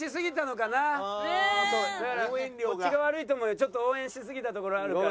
ちょっと応援しすぎたところあるから。